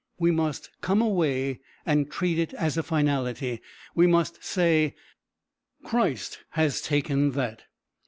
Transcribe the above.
We must come away and treat it as a finality. We must say, Christ has taken that.